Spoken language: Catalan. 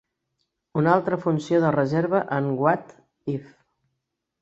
Una altra funció de reserva en What If?